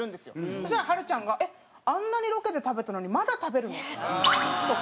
そしたらはるちゃんが「えっあんなにロケで食べたのにまだ食べるの？」とか。